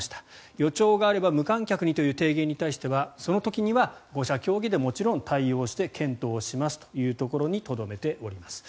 予兆があれば無観客にという提言に対してはその時には５者協議でもちろん対応して検討しますというところにとどめています。